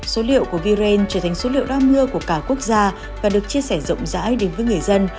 số liệu của viren trở thành số liệu đo mưa của cả quốc gia và được chia sẻ rộng rãi đến với người dân